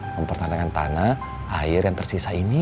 mempertandingkan tanah air yang tersisa ini